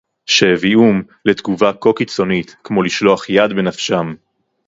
שהביאום לתגובה כה קיצונית כמו לשלוח יד בנפשם